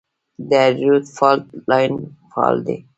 د هریرود فالټ لاین فعال دی